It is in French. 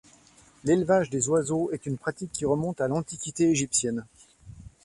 L'élevage des oiseaux est une pratique qui remonte à l'Antiquité égyptienne.